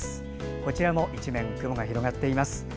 こちらも、一面雲が広がっています。